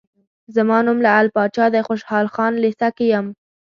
زما نوم لعل پاچا دی، خوشحال خان لېسه کې یم.